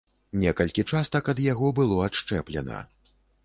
Некалькі частак ад яго было адшчэплена.